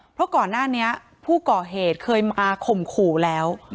เพราะก่อนหน้านี้ผู้ก่อเหตุเคยมาข่มขู่แล้ว